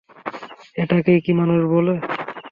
এটাকেই কি মানুষ বলে।